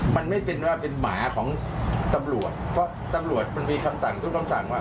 มันไม่เป็นว่าเป็นหมาของตำรวจเพราะตำรวจมันมีคำสั่งทุกคำสั่งว่า